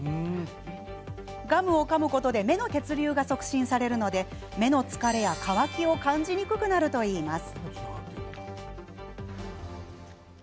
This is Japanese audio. ガムをかむことで目の血流が促進されるので目の疲れや乾きを感じにくくなるといいます。